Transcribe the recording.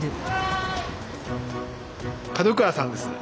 門倉さんです。